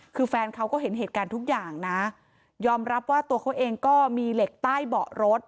คือแฟนเขาก็เห็นเหตุการณ์ทุกอย่างนะยอมรับว่าตัวเขาเองก็มีเหล็กใต้เบาะรถ